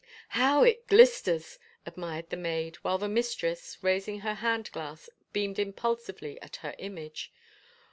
" How it glisters I " admired the maid, while the mis tress, raising her hand glass, beamed impulsively at her image.